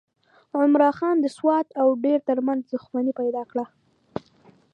عمرا خان د سوات او دیر ترمنځ دښمني پیدا کړه.